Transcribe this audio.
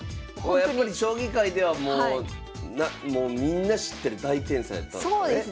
やっぱり将棋界ではもうみんな知ってる大天才やったんですかね。